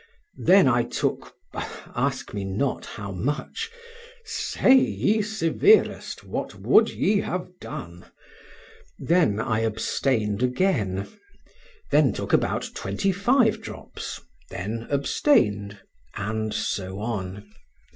Then I took—ask me not how much; say, ye severest, what would ye have done? Then I abstained again—then took about 25 drops then abstained; and so on.